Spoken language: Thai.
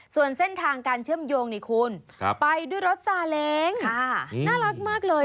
ส่วนเส้นทางการเชื่อมโยงนี่คุณไปด้วยรถซาเล้งน่ารักมากเลย